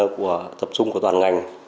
của tập trung của toàn ngành